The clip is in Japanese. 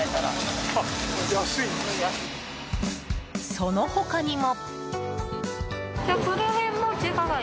その他にも。